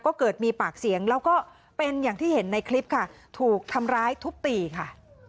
ก็เกิดมีปากเสียงแล้วก็เป็นอย่างที่เห็นในคลิปค่ะถูกทำร้ายทุบตีค่ะ